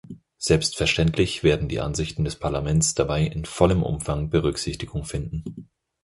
Selbstverständlich werden die Ansichten des Parlaments dabei in vollem Umfang Berücksichtigung finden.